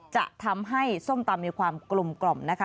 จะทำให้ส้มตำมีความกลมนะคะ